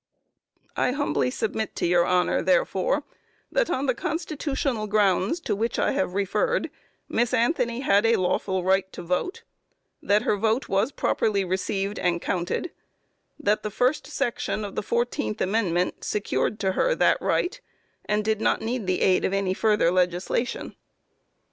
I humbly submit to your honor, therefore, that on the constitutional grounds to which I have referred, Miss Anthony had a lawful right to vote; that her vote was properly received and counted; that the first section of the fourteenth amendment secured to her that right, and did not need the aid of any further legislation.